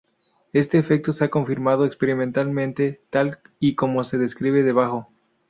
Este efecto se ha confirmado experimentalmente, tal y como se describe debajo.